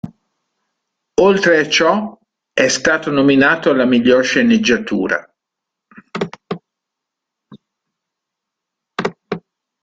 Oltre a ciò, è stato nominato alla miglior sceneggiatura.